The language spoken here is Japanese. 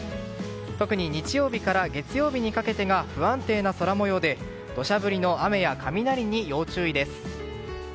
特に日曜日から月曜日にかけてが不安定な空模様で土砂降りの雨や雷に要注意です。